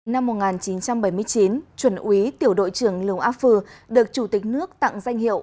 năm một nghìn chín trăm bảy mươi chín chuẩn úy tiểu đội trưởng lưu á phừ được chủ tịch nước tặng danh hiệu